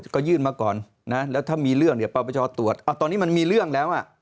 ก็ยื่นมาก่อนนะแล้วถ้ามีเรื่องเนี่ยปปชตรวจตอนนี้มันมีเรื่องแล้ว